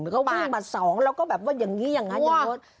แล้วก็วิ่งมาสองแล้วก็แบบว่าอย่างนี้อย่างนั้นอย่างนู้น